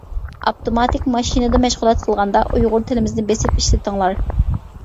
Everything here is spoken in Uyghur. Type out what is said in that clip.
ئاپتوماتىك ماشىنىدا مەشغۇلات قىلغاندا ئۇيغۇر تىلىمىزنى بېسىپ ئىشلىتىڭلار.